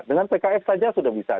dengan pks saja sudah bisa